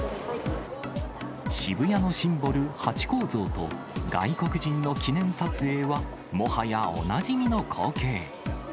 渋谷のシンボル、ハチ公像と外国人の記念撮影は、もはやおなじみの光景。